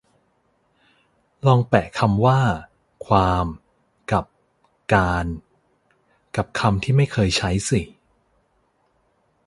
ลองแปะคำว่า ความ กับ การ กับคำที่ไม่เคยใช้สิ